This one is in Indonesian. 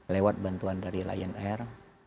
lewat bantuan dari lion air